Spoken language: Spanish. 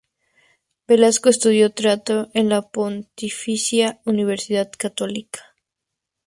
Velasco estudió Teatro en la Pontificia Universidad Católica.